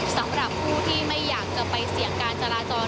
สำหรับผู้ที่ไม่อยากจะไปเสี่ยงการจราจร